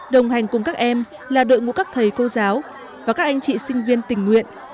đồng hành cùng các em là đội ngũ các thầy cô giáo và các anh chị sinh viên tình nguyện